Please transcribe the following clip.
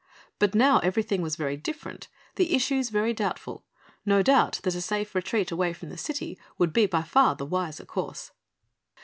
But now everything was very different, the issues very doubtful; no doubt that a safe retreat away from the city would be by far the wiser course.